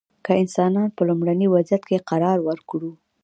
که انسانان په لومړني وضعیت کې قرار ورکړو.